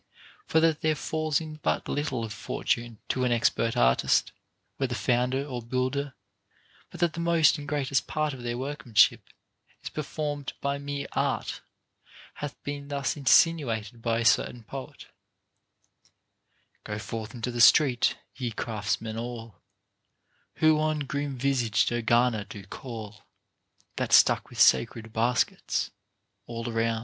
For that there foils in but little of Fortune to an expert artist, whether founder or builder, but that the most and greatest part of their workmanship is performed by mere art, hath been thus insinuated by a certain poet: Go forth into the street, ye craftsmen all, Who on grim visaged Ergana do call, That's stuck with sacred baskets all around.